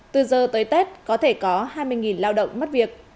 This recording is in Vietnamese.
từ giờ tới tết có thể có hai mươi lao động mất việc